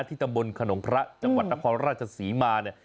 ตำบลขนงพระจังหวัดนครราชศรีมาเนี่ย